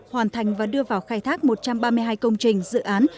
hoàn thành và đưa vào khai thác một trăm ba mươi hai công trình dự án